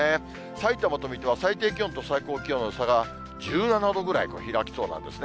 さいたまと水戸は最低気温と最高気温の差が１７度ぐらい開きそうなんですね。